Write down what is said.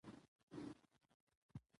د کرزي بديل په اوسني وخت کې نه شته.